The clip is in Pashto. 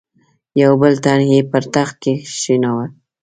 یو بل تن یې پر تخت کښېناوه.